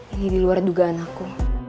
ini diluar dugaan aku